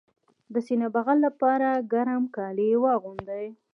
د سینه بغل لپاره ګرم کالي واغوندئ